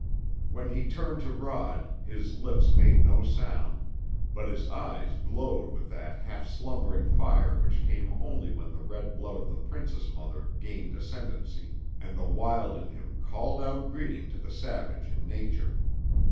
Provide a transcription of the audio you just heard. When he turned to Rod his lips made no sound, but his eyes glowed with that half slumbering fire which came only when the red blood of the princess mother gained ascendency, and the wild in him called out greeting to the savage in nature.